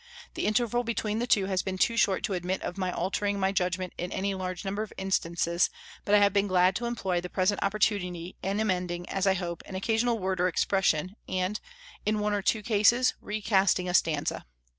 The interval between the two has been too short to admit of my altering my judgment in any large number of instances; but I have been glad to employ the present opportunity in amending, as I hope, an occasional word or expression, and, in one or two cases, recasting a stanza.